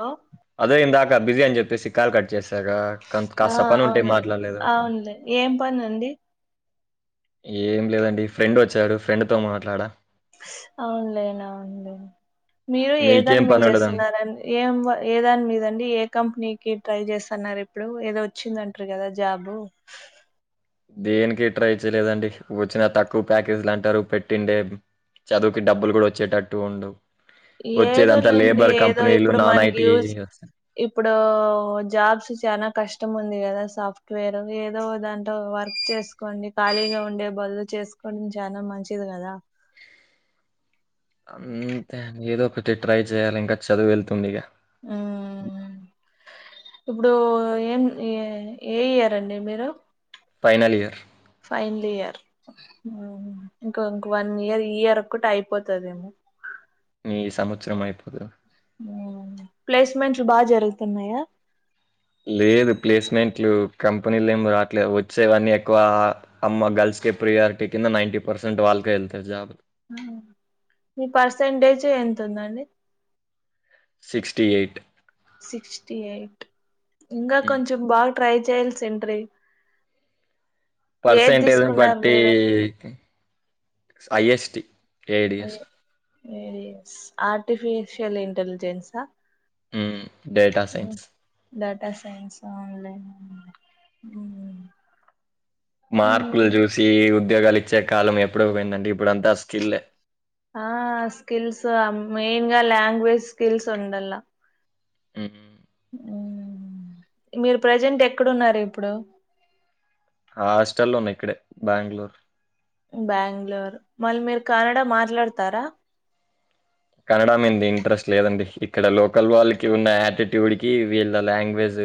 Hello అదే ఇందాకా busy అని చెప్పేసి కాల్ కట్ చేసాగా ఆ కాస్త పని ఉంటే అవును మాట్లాడలేదు ఓకే అవునులే ఏం పని అండి ఏం లేదండి ఫ్రెండ్ వోచ్చాడు ఫ్రెండ్తో మాట్లాడా అవునులేండి అవునులేండి మీరు మీకేం ఏదాని మీద పనుండదండి? చేస్తున్నారండి ఏం ఏ దాని మీదండి ఏ కంపెనీకి ట్రై చేస్తున్నారు ఇప్పుడు ఏదో వచ్చిందం టిరి గదా జాబు దేనికి ట్రై చేయలేదండి వచ్చిన తక్కువ ప్యాకేజీలు అంటారు పెట్టిండే చదువుకి డబ్బులు గూడా వచ్చేటట్టు ఉండు వచ్చేదంతా ఏదోలేండి లేబర్ ఏదో కంపెనీలు ఇప్పుడు నాన్ మనకి ఐటీ యూజ్ వస్ ఇప్పుడు జాబ్స్ చానా కష్టం ఉంది గదా సాఫ్ట్వేర్ ఏదో ఓ దాంట్లో వర్క్ చేస్ కోండి ఖాళీగా ఉండే బదులు చేసుకోవడం చాలా మంచిది గదా అంతే ఏదో ఒకటి ట్రై చేయాలి ఇంకా చదువు వెళ్తుంది ఇగా మ్మ్ ఇప్పుడు ఏం ఏ ఏ ఇయర్ అండి మీరు ఫైనల్ ఇయర్ ఫైనల్ ఇయర్ ఇంకా ఇంక వన్ ఇయర్ ఈ ఒక్కటి అయిపోతదేమో ఈ సంవత్సరం అయిపోతది మ్ ప్లేస్మెంట్లు బా జరుగుతున్నాయా లేదు ప్లేస్మెంట్లు కంపెనీలు ఏమి రాట్లే వచ్చేవన్నీ ఎక్కువ అమ్మ గర్ల్స్ కె ప్రియారిటీ కింద నైంటీ పర్సెట్ వాళ్ళకే వెళ్తాయి జాబ్ లు మీ పర్సెంటేజ్ ఎంతుందండి సిక్స్టీ ఎయిట్ సిక్స్టీ ఎయిట్ ఇంకా కొంచం బాగా ట్రై చేయల్సింట్రి పర్సెంటేజ్ని బట్టి మీరు ఐఎస్టి ఏడిఎస్ అవే ఐస్ ఆర్టిఫిషియల్ ఇంటెలిజెన్స్ ఆ డేటా మ్ సైన్స్ డాటా సైన్స్ ఆన్లైన్ ఉంది మ్ మార్కులు చూసి ఉద్యోగాలు ఇచ్చే కాలం ఎప్పుడో పోయిందండి ఇప్పుడుంతా స్కిల్లె ఆ స్కిల్స్ మెయిన్ గా లాంగ్వేజ్ స్కిల్స్ ఉండాల మ్ మీరు ప్రజెంట్ ఎక్కడున్నారు ఇప్పుడు హాస్టల్లో ఉన్నా ఇక్కడే బెంగళూరు బెంగళూరు మళ్ళీ మీరు కనడ మాట్లాడతారా కన్నడా మీద ఇంట్రెస్ట్ లేదండి ఇక్కడ లోకల్ వాళ్ళకి ఉన్న యాటిట్యూడ్ కి వీళ్ళ లాంగ్వేజ్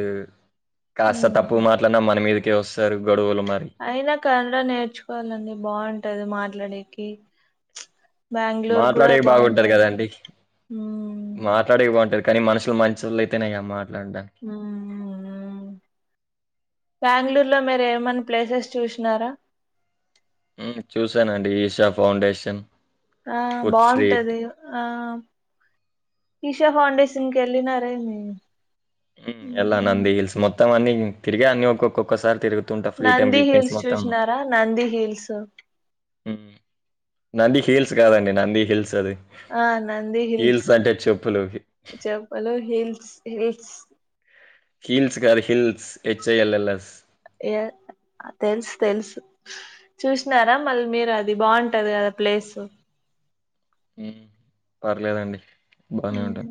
కాస్త తప్పుగా మాట్లడిన మన మీదకే వస్తారు గొడవలు మరి అయినా కన్నడా నేర్చుకోవాలండి బాగుంటది మాట్లాడేకి బెంగళూరు కూడా బాగుంటది మ్ మాట్లాడే బాగుంటారు కానీ మనుషులు మంచోల్లయితేనెగ మాట్లాడనికి మ్ మ్ మ్ బెంగళూరులో మీరు ఏమన్నా ప్లేసెస్ చూసినారా మ్ చూసానండి ఈషా ఫౌండేషన్ ఆ ఫుడ్ స్ట్రీట్ బావుంటది ఆ ఈషా ఫౌండేషన్కి వెళ్ళినారేమీ ఎల్లా నంది హిల్స్ మొత్తం అన్ని తిరిగా అన్ని ఒక్కో క్కోక్కసారి తిరుగు నంది హిల్స్ చూసినారా నంది హిల్స్ మ్ నంది హీల్స్ కాదండి నంది హిల్స్ అది ఆ హీల్స్ అంటే చెప్పులు చెప్పలు హిల్స్ హిల్స్ హీల్స్ కాదు హిల్స్ హేచ్ఐఎల్ఎల్ఎస్ ఏ తెల్సు తెలుసు చూసినారా మళ్ళీ మీరు అది బాంటది కదా ప్లేసు హ్మ్ పర్లేదండి బానే ఉంటది హ్మ్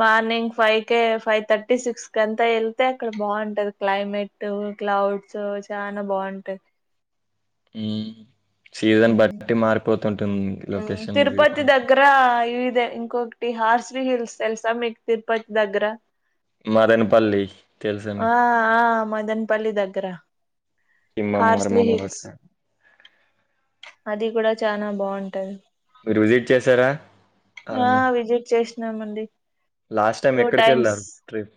మార్నింగ్ ఫైవ్ కే ఫైవ్ థర్టీ సిక్స్ క అంతా వెళ్తే అక్కడ బాగుంటది క్లైమేట్ టు క్లౌడ్స్ చానా బాగుంటది మ్ సీజన్ బట్టి మారిపోతుంటుంది లొకేషన్ వ్యూ పాయింట్ ఆ ఇదే ఇంకొకటి హార్సి హిల్స్ తెల్సా మీక్ తిరుపతి దగ్గర మదెన పల్లి ఆ ఆ మదన్పల్లి దగ్గర ఖమ్మం హార్స్లీ మరమం అటు హిల్స్ సైడ్. అది కూడా చానా బాగుంటది మీరు విజిట్ చేశారా ఆ అవన్నీ? విజిట్ చేసినామండి లాస్ట్ టైమ్ టూ ఎక్కడికి టైమ్స్ ఎళ్లారు ట్రిప్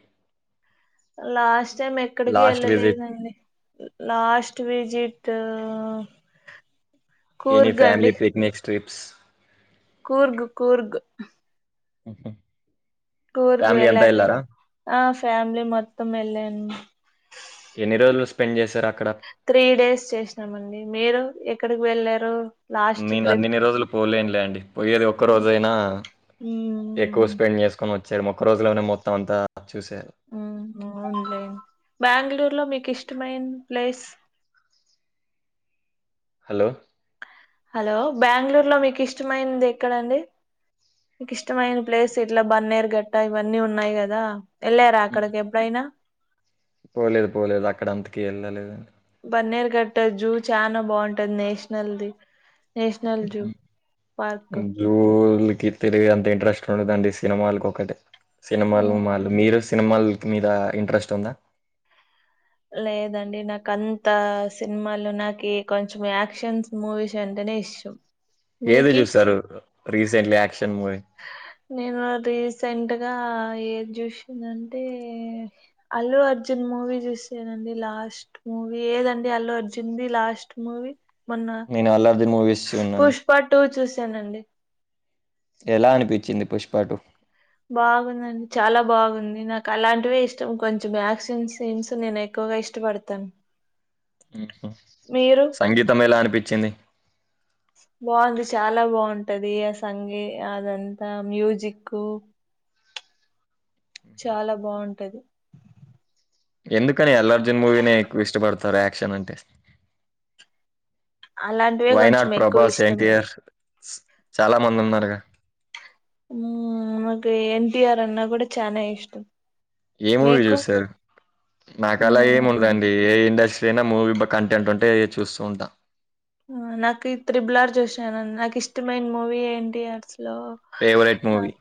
లాస్ట్ టైం ఎక్కడికీ లాస్ట్ విజిట్ ఎళ్ళలేదండి లాస్ట్ విజిట్ ఆ any family picnics trips Coorg Coorg ఉహు కూర్గు వెళ్ళాను నేను ఆ ఫ్యామిలీ మొత్తం వెళ్ళాను ఎన్ని రోజులు స్పెండ్ చేశారు అక్కడ. త్రీ డేస్ చేశినామండి మీరు ఎక్కడికి వెళ్ళారు. లాస్ట్ నేను ట్రిప్ అన్నిన్ని రోజులు పోలేనులే అండి పోయ్యేది ఒక్క రోజైనా ఎక్కువ స్పెండ్ చేస్ కొని వచ్చేయడం ఒక్క రోజులోనే మొత్తం అంతా చూశేయాలి ఊహు అవును లేండి బాంగళూరు లో మీకు ఇష్టమైన్ ప్లేస్. హలో హలో బాంగళూరులో మీకు ఇష్టమైంది ఎక్కడండి మీకు ఇష్టమైన ప్లేస్ ఇట్లా బన్నేరు గట్టా ఇవన్నీ ఉన్నాయి గదా ఎళ్ళారా హ్మ్. అక్కడికి ఎప్పుడైనా. పోలేదు పోలేదు అక్కడ అంతకీ ఎళ్ళలేద్ అండి బన్నేరు గట్టది జూ చానా బాగుంటది నేషనల్ది. నేషనల్ జూ పార్క్ జూలికి తిరిగే అంత ఇంట్రెస్ట్ ఉండదండి సినిమాలకు ఒకటే. సినిమాలు, మాళ్ళు మీరు సినిమాలకి మీదా ఇంట్రెస్ట్ ఉందా. లేదండి నాక్ అంతా సినిమాల్లో నాకీ కొంచెం యాక్షన్స్ మూవీస్ అంటనే ఇష్టం. ఏది మీకి చూశారు రీసెంట్లీ యాక్షన్ మూవీ. నేను అది రీసెంట్ గా ఏది చూశినంటే. అల్లు అర్జున్ మూవీ చూశానండి లాస్ట్ మూవీ ఏదండి అలు అర్జున్ది లాస్ట్ మూవీ మొన్న. నేను అల్లు అర్జున్ మూవీస్ చూన్నాను పుష్పా టూ చూశానండి ఎలా అనిపిచ్చింది పుష్పాటు బాగుందండి చాలా బాగుంది నాకు అలాంటివే ఇష్టం కొంచెం యాక్షన్ సీన్స్ నేను ఎక్ క్కువగా ఇష్టపడతాను ఊహు మీరు సంగీతం ఎలా అనిపిచ్చింది. బాగుంది చాలా బాగుంటదీ ఆ సంగీ అదంతా మ్యూజిక్కూ. చాలా బాగుంటది ఎందుకని అల్లు అర్జున్ మూవీనే ఎక్కువ ఇష్టపడతారు యాక్షన్ అంటే. అలాంటివే కొంచెం వైనాట్ ఎక్కువ ప్రభాస్ ఇష్టం నాక్ ఎన్టీఆర్ చాలా మంది ఆ. ఉన్నారుగా ఊ నాకు ఎన్ టీఆర్ అన్నా కూడా చానా ఇష్టం. ఏ మూవీ మీకు చూశారు నాకు అలా మ్మ్ ఏముండదండి ఏ ఇండస్ టైనా మూవీ బ కంటెంట్ ఉంటే అది చూస్తూ ఉంటా. ఆ నాకి త్రిబుల్ఆర్ చూశాను నాకు ఇష్టమైన మూవీ ఏంటి అసలో ఫేవరెట్ మూవీ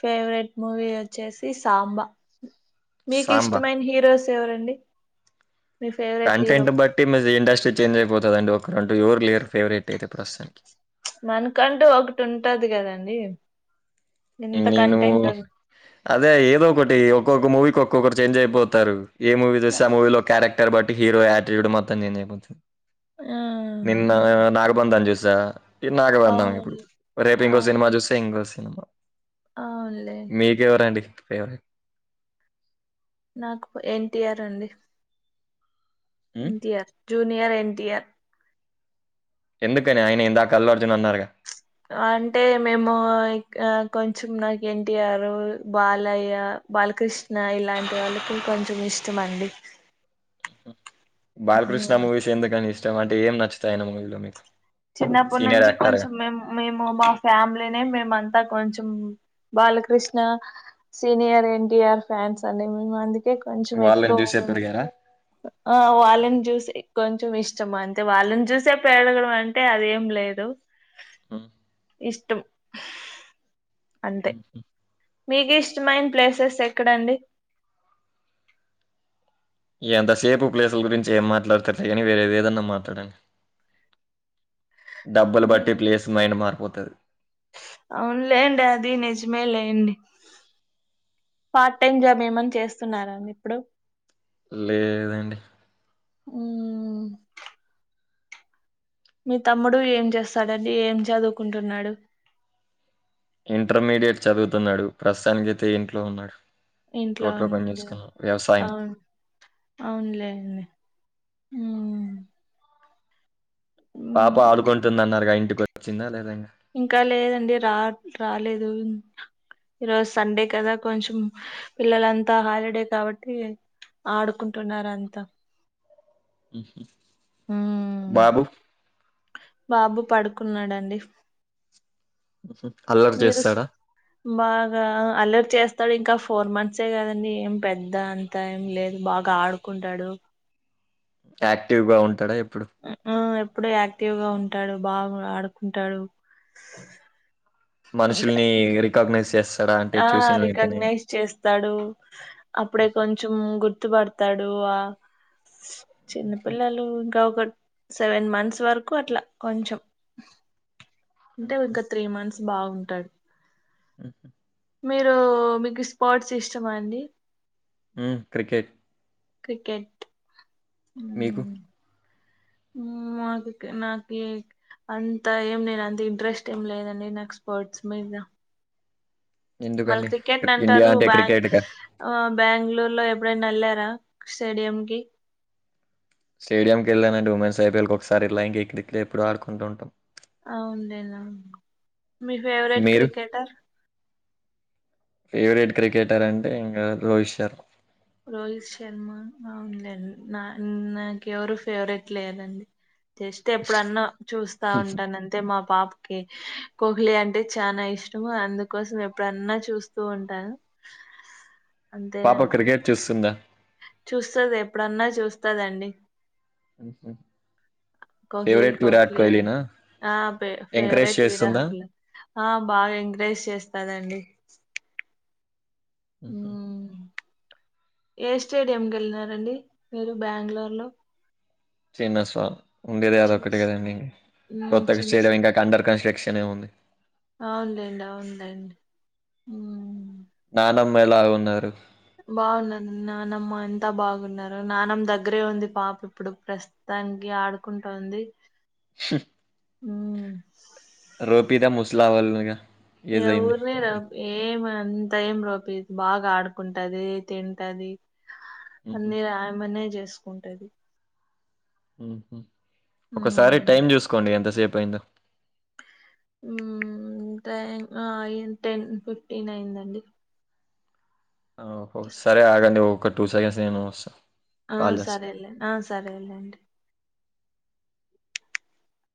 ఫేవరెట్ మూవీ వచ్చేసి సాంబా మీకు సాంబా ఇష్టమైన హీరోస్. ఎవరండి మీ ఫేవరెట్ హీరో కంటెంట్ ను బట్టి మజీ ఇండస్ట్రీ చేంజ్ అయిపోతది అండి ఒకరంటూ యెవర్ లేర్ ఫేవరెట్ అయితే ప్రస్తుతానికి. మనకంటూ ఒకటి ఉంటది కదండీ ఇంత నేను కంటెంట్ ఉండ్ అదే ఏదో ఒకటీ ఒక్కొక్క మూవీకి ఒక్కొక్కరు చేంజ్ అయిపోతారు ఏ మూవీ చూస్తే ఆ మూవీలో క్యారెక్. బట్ హీరో ఆటిట్యూడ్ మొత్తం చేంజ్ అయిపోది ఆ నిన్న నాగబాదం చూసా ఈ నాగబంధం అవును ఇప్పుడు రేపు ఇంకో సినిమా చూస్తే ఇంకో సినిమా ఆలేే మీకు ఎవరండి ఫేవరెట్ నాకు ఎన్టీఆర్ అండి హ్మ్ ఎన్ఆర్ జూనియర్ ఎన్టీటిఆర్ ఎందుకని ఆయన ఇందాక అల్లు అర్జున్ అన్నారుగా అంటే మేము కొంచెం నాకు ఎన్టీఆర్ బాలయ్య బాలకృష్ణ ఇలాంటి వాళ్ళకు కొంచెం ఇష్టమ అండి హూ బాలకృష్ణ ఉమ్. మూవీస్ ఎందుకని ఇష్టం అంటే ఏం నచ్చుతాయినీ మూవీలో మీకు చిన్నప్పటి సీనియర్ నుంచి యాక్టర్గా కొంచెం మేము మేము మా ఫ్యామిలీనే మేమంతా కొంచెం బాలకృష్ణ సీనియర్ ఎన్టీఆర్ ఫ్యాన్స్ అండి మేము అందుకే కొంచెం వాళ్ళని ఎక్కువ చూసే పెరిగారా? ఆ వాళ్ళని జ్యూసే కొంచెం ఇష్టం అంతే వాళ్ళని జ్యూసే పెడగడం అంటే అదేం లేదు ఉ ఇష్టం అంతే ఉమ్, మీకు ఇష్టమైన ప్లేసెస్ ఎక్కడండి ఎంతసేపు ప్లేసుల గురించి ఏం మాట్లాడతారులే కానీ వేరే ఏదన్నా మాట్లాడడి డబ్బులు బట్టి ప్లేస్ మైండ్ మారిపోతది అవునులేండి అది నిజమే లేండి పార్ట్ టైమ్ జాబ్ ఏమని చేస్తున్నారా అండి ఇప్పుడు లే లేదండి ఉమ్ మీ తమ్ముడు ఏం చేస్తాండి ఏం చదువుకుంటున్నాడు ఇంటర్మీడియట్ చదువుతున్నాడు ప్రస్తుతానికైతే ఇంట్లో ఉన్నాడు ఇంట్లో తోట్లో పని ఉన్నాడు చేసుకున్నాం వ్యవసాయం అవును లేండి ఉ పాప మ్మ్. ఆడుకుంటుందన్నారుగా ఇంటికి వచ్చిందా లేద ఇంకా ఇంకా లేదండి రా రాలేదు ఈరోజు సండే కదా కొంచెం పిల్లలంతా హాలిడే కాబట్టి ఆడుకుంటున్నార అంతా మ్మ్. బాబు బాబు పడుకున్నాడండి అల్లరి మీరు స్- చేస్తాడా బాగా అల్లరి చేస్తాడు ఇంకా ఫోర్ మంత్సే కదండి ఏం పెద్ద అంత ఏం లేదు బాగా ఆడుకుంటాడు యాక్టివ్ గా ఉంటాడా ఎప్పుడు ఆ ఎప్పుడ యాక్టివ్ గా ఉంటాడు బాగా ఆడుకుంటాడు మనుషుల్ని రికగ్నైజ్ చేస్త ఆ రికగ్నైజ్ చేస్తా స్తాడు, అప్పుడే కొంచెం గుర్తుపడతాడు ఆ చిన్నపిల్లలు ఇంకా ఒక సెవెన్ మంత్స్ వరకు అట్లా కొంచెం అంటే ఇంకా త్రీ మంత్స్. స్ బాగుంటది. ఉహ్ మీరు మీకు స్పోర్ట్స్ ఇష్టమా అండి? క్రికెట్. క్రికెట్. మీకు? మాకు నాకి అంత ఏం నేను అంత ఇంట్రెస్ట్ ఏం లేదండి నాకు స్పోర్ట్స్ మీద. మళ్ళి ఎందుకండి క్రికెట్ని ఇండియా అంటారు అంటే బా క్రికెట్ ఆ బ్యాంగళూర్లో ఎప్పుడైనా ఎళ్లారా స్టేడియంకి. స్టేడియంకి వెళ్ళానండి ఉమెన్స్ ఐపీల్ ఒకసారి ఎళ్ళా ఇంకా ఇకదికడే ఎప్పుడు ఆడుకుంటూ ఉంటాం. ఆవుండేనా, మీ ఫేవరెట్ మీరు క్రికెటర్. ఫేవరెట్ క్రికెటర్ అంటే ఇంగా రోహిత్ శర్మ. రోహిత్ శర్మ ఆవుండేనా నా నాకెవరు ఫేవరెట్ లేరండి. జస్ట్ ఎప్పుడన్నా చూస్తా ఉంటానం అంటే మా పాపకి కోహ్లీ అంటే చానా ఇష్టం అందుకోసం ఎప్పుడన్నా చూస్ తు ఉంటాను. పాప అంతేనండి క్రికెట్ చూస్తుందా? చూస్తది, ఎప్పుడన్నా చూస్తదండి. ఉహ్ కోహ్లీ కోహ్లీ అని ఆ ఫే ఎంకరేజ్ ఫేవరేట్ చేస్తుందా విరాహకుల ఆ బాగా ఎంకరేజ్ చేస్తాదండి. ఉహ్. మ్మ్ ఏ స్టేడియంకి ఎళ్ళినారండి మీరు బ్యాంగళూర్లో. చిన్నస్వామి ఉండేది చిన్న అదొక్కటి స్- కదండి. మ్మ్ కొత్తగా చిన్న స్- స్టేడియం ఇంకా అండర్ కన్స్ట్రక్షనే ఉంది. అవునులేండి, అవునులేండి. నానమ్మ ఎలాగ ఉన్నారు. బాగున్నారన్నా నానమ్మ అంత బాగున్నారు. నానమ్మ దగ్గరే ఉంది పాప ఇప్పుడు ప్రస్ తానికి ఆడుకుంటుంది. స హ్. రోపిత ముసల వాల్లుగా ఎ ఊర్ పోయినవు. ఏమి అంతా ఏం రోపియది బాగా ఆడుకుంటది, తింటది. మ్మ్. అన్నీ రాయమన్నే చేసుకుంటది. ఒకసారి ఉమ్ టైం చూసుకోండి ఎంతసేపు అయిందో. టైం ఆ అయిన్ టెన్ ఫిఫ్టీన్ అయిందండి. ఓహో సరే ఆగండి ఒక టూ సెకండ్స్ నేను వస్తా. ఆ కాల్ చేస్తా సరేలే ఆ సరేలెండి.